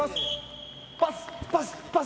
パス、パス、パス！